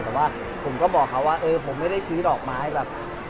แต่ว่าผมก็บอกเขาว่าเออผมไม่ได้ซื้อดอกไม้แบบ